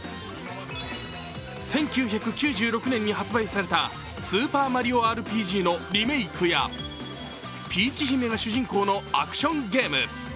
１９９６年に発売された「スーパーマリオＲＰＧ」のリメークやピーチ姫が主人公のアクションゲーム。